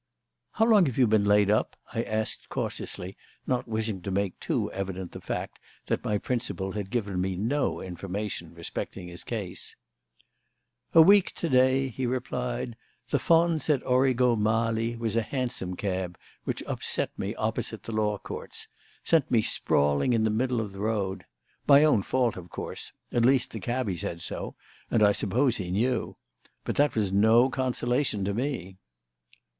"How long have you been laid up?" I asked cautiously, not wishing to make too evident the fact that my principal had given me no information respecting his case. "A week to day," he replied. "The fons et origo mali was a hansom cab which upset me opposite the Law Courts sent me sprawling in the middle of the road. My own fault, of course at least, the cabby said so, and I suppose he knew. But that was no consolation to me."